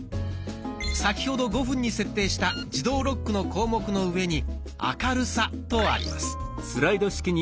先ほど５分に設定した「自動ロック」の項目の上に「明るさ」とあります。